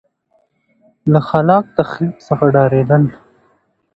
له خلاق تخریب څخه ډارېدل.